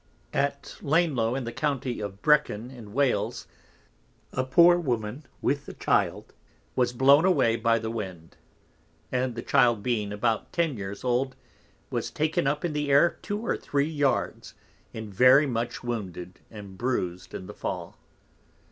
At Laneloe in the County of Brecon in Wales, _a Poor Woman with a Child, was blown away by the Wind, and the Child being about 10 years old, was taken up in the Air two or three yards, and very much Wounded and Bruised in the fall.